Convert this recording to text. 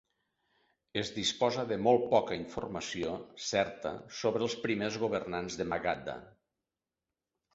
Es disposa de molt poca informació certa sobre els primers governants de Magadha.